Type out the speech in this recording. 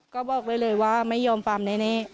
ก็บอกไว้เลยว่าไม่ยอมความแน่